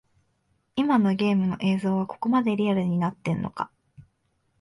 今のゲームの映像はここまでリアルになってんのか